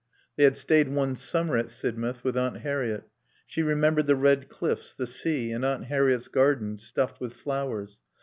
They had stayed one summer at Sidmouth with Aunt Harriett. She remembered the red cliffs, the sea, and Aunt Harriett's garden stuffed with flowers.